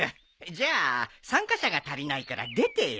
じゃあ参加者が足りないから出てよ。